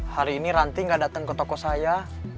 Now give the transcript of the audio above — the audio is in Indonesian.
hari ini rantik gak dateng ke toko saya